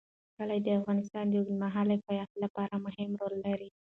کلي د افغانستان د اوږدمهاله پایښت لپاره مهم رول لري.